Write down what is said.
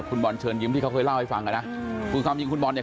คุณบอลเชิญยิ้มที่เขาเคยเล่าให้ฟังอ่ะนะคือความจริงคุณบอลเนี่ย